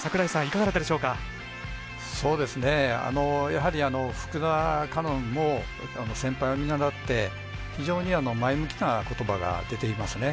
やはり福田果音も先輩を見習って非常に前向きな言葉が出ていますね。